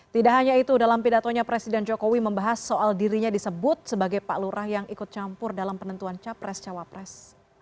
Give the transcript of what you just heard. tidak hanya itu dalam pidatonya presiden jokowi membahas soal dirinya disebut sebagai pak lurah yang ikut campur dalam penentuan capres cawapres